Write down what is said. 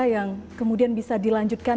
yang kemudian bisa dilanjutkan